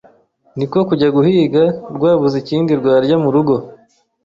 ni ko kujya guhiga rwabuze ikindi rwarya murugo